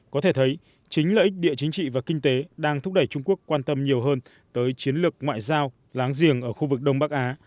có thể thấy chính lợi ích địa chính trị và kinh tế đang thúc đẩy trung quốc quan tâm nhiều hơn tới chiến lược ngoại giao láng giềng ở khu vực đông bắc á